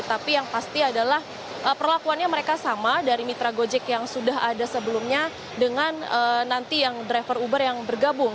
tapi yang pasti adalah perlakuannya mereka sama dari mitra gojek yang sudah ada sebelumnya dengan nanti yang driver uber yang bergabung